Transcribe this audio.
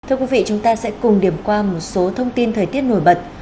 thưa quý vị chúng ta sẽ cùng điểm qua một số thông tin thời tiết nổi bật